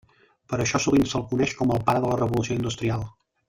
Per això sovint se'l coneix com el pare de la Revolució Industrial.